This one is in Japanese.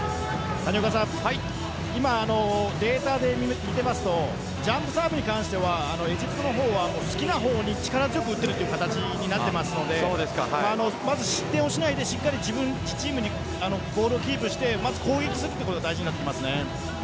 今データで見ているとジャンプサーブに関してはエジプトの方は好きな方に力強く打っている形になっているので失点をしないで自分のチームにボールをキープしてまず攻撃することが大事になります。